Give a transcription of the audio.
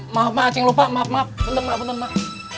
maaf emak acing lupa maaf maaf bentar emak bentar emak